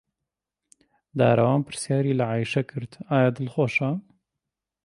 دارەوان پرسیاری لە عایشە کرد ئایا دڵخۆشە.